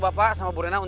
yang sabar pelan pelan